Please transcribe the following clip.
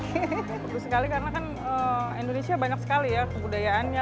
bagus sekali karena kan indonesia banyak sekali ya kebudayaannya